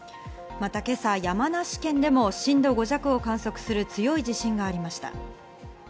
また今朝、山梨県でも震度５弱を観測する強い地震がありました。